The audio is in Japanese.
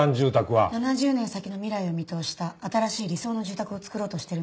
７０年先の未来を見通した新しい理想の住宅を作ろうとしてるんですよね？